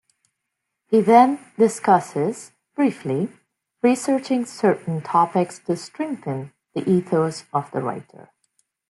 He then discusses, briefly, researching certain topics to strengthen the ethos of the writer.